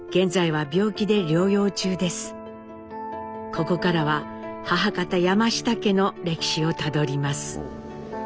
ここからは母方山下家の歴史をたどります。